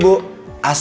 aku mau ke rumah